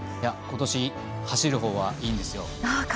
ことし走るほうはいいんですよ。